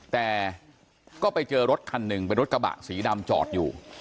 แต่ก็ไปเจอรถคันหนึ่งเป็นรถกระบะสีดำจอดอยู่